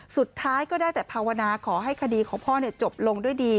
สุดท้ายก็ได้แต่ภาวนาขอให้คดีของพ่อจบลงด้วยดี